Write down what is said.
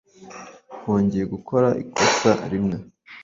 Wongeye gukora ikosa rimwe.